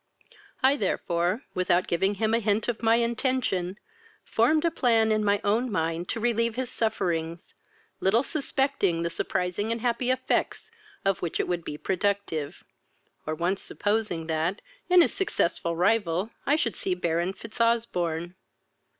I therefore, without giving him a hint of my intention, formed a plan in my own mind to relieve his sufferings, little suspecting the surprising and happy effects of which it would be productive, or once supposing, that, in his successful rival, I should see Baron Fitzosbourne.